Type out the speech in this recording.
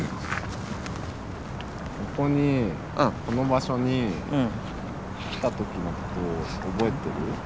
ここにこの場所に来た時のことを覚えてる？